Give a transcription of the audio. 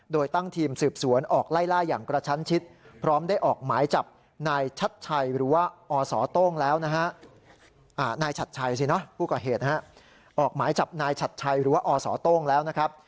โดยตั้งทีมสืบสวนออกไล่ล่าอย่างกระชั้นชิดพร้อมได้ออกหมายจับนายชัดชัยหรือว่าอสต้งแล้วนะครับ